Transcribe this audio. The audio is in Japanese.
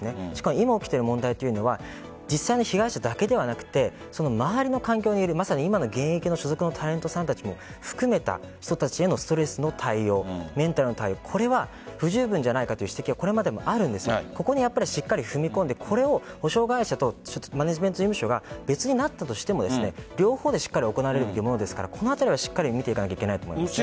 今起きている問題は実際の被害者だけではなくその周りの環境にいる今の現役の所属のタレントさんたちも含めた人たちへのストレスの対応メンタルの対応は不十分じゃないかという指摘がこれまでもあるんですがここにしっかり踏み込んでこれを補償会社とマネジメント事務所が別になったとしても両方でしっかり行われるというものですからこのあたり見ていかなければいけないと思います。